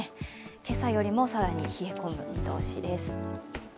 今朝よりも更に冷え込む見通しです。